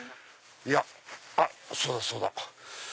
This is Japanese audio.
あっそうだそうだ！